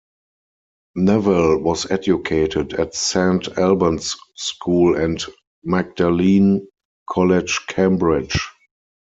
Newell was educated at Saint Albans School and Magdalene College, Cambridge.